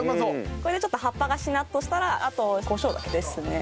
これでちょっと葉っぱがしなっとしたらあとコショウだけですね。